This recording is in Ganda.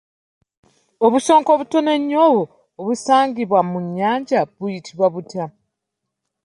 Obusonko obutono ennyo obusangibwa mu nnyanja buyitibwa butya?